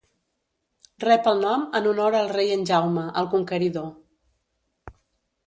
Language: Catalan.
Rep el nom en honor al rei en Jaume, el conqueridor.